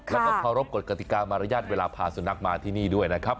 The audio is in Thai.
แล้วก็เคารพกฎกติกามารยาทเวลาพาสุนัขมาที่นี่ด้วยนะครับ